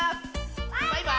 バイバーイ！